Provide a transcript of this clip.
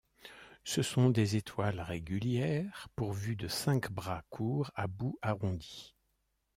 Ce sont des étoiles régulières, pourvues de cinq bras courts à bout arrondi.